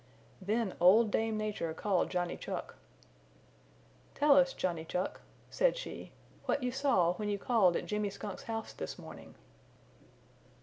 Then Old Dame Nature called Johnny Chuck. "Tell us, Johnny Chuck," said she, "what you saw when you called at Jimmy Skunk's house this morning."